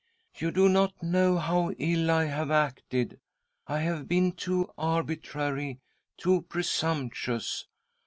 You do not know how ill I have acted. I have been too arbitrary, too presumptuous.